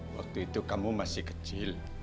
waktu itu kamu masih kecil